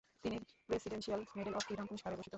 তিনি presidential medal of freedom পুরস্কারে ভূষিত হন।